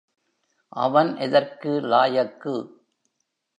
அவன் எதற்கு லாயக்கு?